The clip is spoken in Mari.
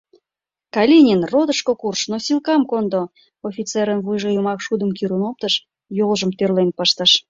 — Калинин, ротышко курж, носилкам кондо! — офицерын вуйжо йымак шудым кӱрын оптыш, йолжым тӧрлен пыштыш.